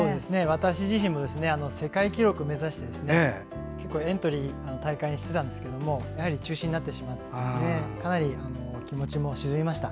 私自身も世界記録目指して大会にエントリーしてたんですがやはり中止になってしまってかなり気持ちも沈みました。